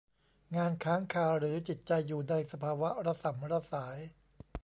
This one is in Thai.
งานค้างคาหรือจิตใจอยู่ในสภาวะระส่ำระสาย